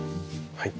はい。